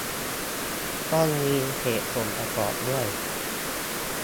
ต้องมีเหตุผลประกอบด้วย